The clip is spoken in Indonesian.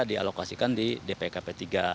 dialokasikan di dpkp tiga